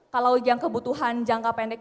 kalau yang kebutuhan jangka pendek